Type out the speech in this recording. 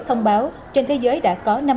thông báo trên thế giới đã có năm mươi chín